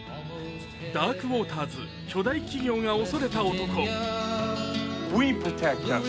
「ダーク・ウォーターズ巨大企業が恐れた男」。